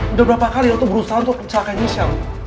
udah berapa kali lo tuh berusaha untuk mencelakai michelle